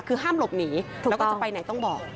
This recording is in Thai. คือห้ามหลบหนีแล้วก็จะไปไหนต้องบอก